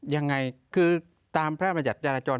ยังไงคือตามพระราชบัญญัติจารจร